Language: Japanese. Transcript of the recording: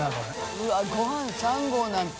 うわっごはん３合なんて。